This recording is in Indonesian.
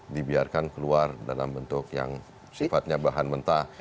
dibiarkan keluar dalam bentuk yang sifatnya bahan mentah